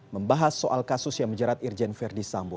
membahas soal kasus yang menjerat irjen verdi sambo